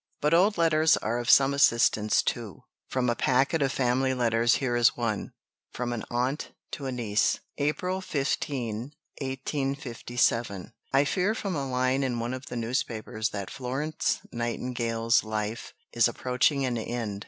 But old letters are of some assistance too. From a packet of family letters here is one, from an aunt to a niece: "April 15, 1857. I fear from a line in one of the newspapers that Florence Nightingale's life is approaching an end.